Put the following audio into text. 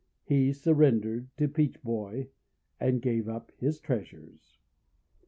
He surrendered to Peach Boy, and gave up his treasures.